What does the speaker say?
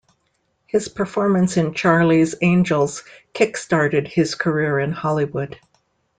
His performance in Charlie's Angels kick-started his career in Hollywood.